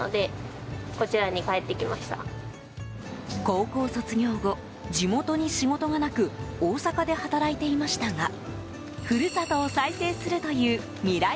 高校卒業後、地元に仕事がなく大阪で働いていましたが故郷を再生するという未来